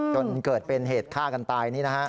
จนเกิดเป็นเหตุฆ่ากันตายนี่นะฮะ